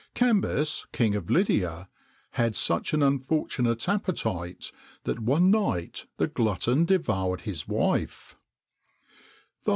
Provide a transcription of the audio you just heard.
[XXIX 9] Cambis, King of Lydia, had such an unfortunate appetite, that one night the glutton devoured his wife!